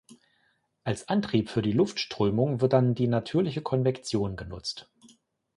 Als Antrieb für die Luftströmung wird dann die natürliche Konvektion genutzt.